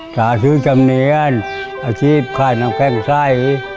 สาธิจำเนียนอาชีพค่ายน้ำแพร่งไส้